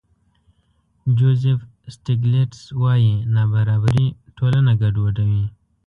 جوزف سټېګلېټز وايي نابرابري ټولنه ګډوډوي.